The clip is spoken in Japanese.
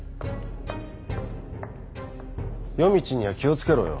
夜道には気を付けろよ。